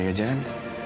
beg beg aja kan